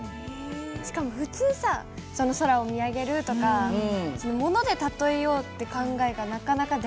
しかも普通さ空を見上げるとかもので例えようって考えがなかなか出ないから。